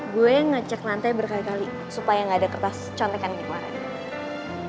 gue ngecek lantai berkali kali supaya nggak ada kertas contekan gimana